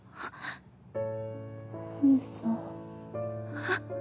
あっ。